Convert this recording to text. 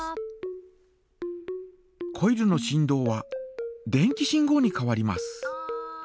コイルの振動は電気信号に変わります。